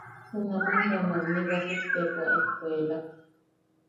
Junam bea mamni wasuktepo a escuelak.